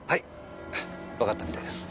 わかったみたいです。